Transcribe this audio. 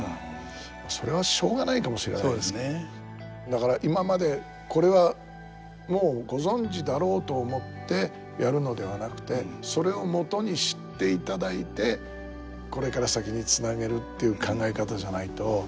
だから今まで「これはもうご存じだろう」と思ってやるのではなくてそれをもとにしていただいてこれから先につなげるっていう考え方じゃないと。